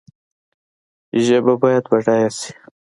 ژبه باید بډایه سي